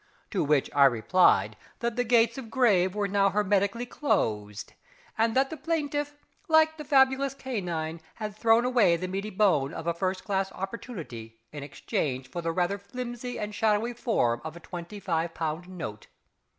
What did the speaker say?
To which I replied that the gates of grave were now hermetically closed, and that the plaintiff, like the fabulous canine, had thrown away the meaty bone of a first class opportunity in exchange for the rather flimsy and shadowy form of a twenty five pound note.